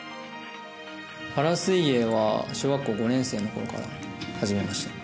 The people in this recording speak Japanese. パラ水泳は小学校５年生のころから始めました。